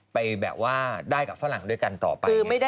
ไปแบบว่าได้กับฝรั่งด้วยกันต่อไป